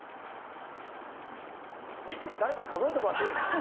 誰か数えてもらっていいですか？